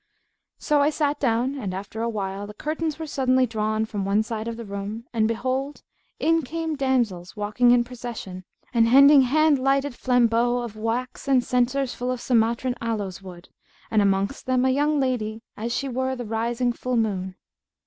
So I sat down and, after a while, the curtains were suddenly drawn from one side of the room and, behold, in came damsels walking in procession and hending hand lighted flambeaux of wax and censers full of Sumatran aloes wood, and amongst them a young lady as she were the rising full moon.